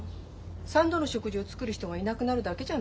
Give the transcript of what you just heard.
３度の食事を作る人がいなくなるだけじゃない。